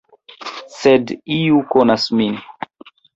Sed iu konas min.